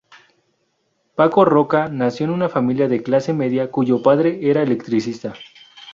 Paco Roca nació en una familia de clase media, cuyo padre era electricista.